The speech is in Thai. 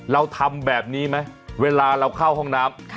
เราทำแบบนี้ไหมเวลาเราเข้าห้องน้ำ